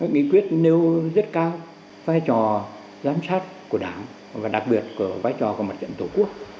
nghị quyết nêu rất cao vai trò giám sát của đảng và đặc biệt của vai trò của mặt trận tổ quốc